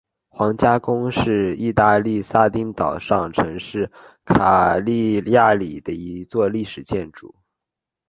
皇家宫是义大利撒丁岛上城市卡利亚里的一座历史建筑。